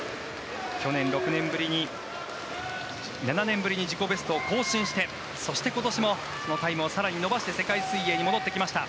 去年７年ぶりに自己ベストを更新してそして今年もタイムを更に伸ばして世界水泳に戻ってきました。